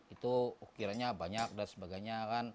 itu ukirannya banyak dan sebagainya kan